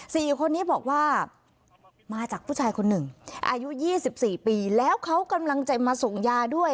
สี่คนนี้บอกว่ามาจากผู้ชายคนหนึ่งอายุยี่สิบสี่ปีแล้วเขากำลังจะมาส่งยาด้วย